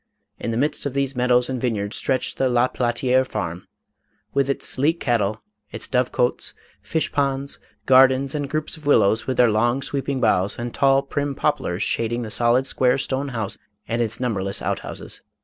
In the midst of these meadows and vineyards stretched the La Platiere farm, with its sleek cattle, its dove cotes, fish ponds, gardens and groups of willows with their long sweeping boughs and tall prim poplars shading the solid square stone house and its numberless outhouses.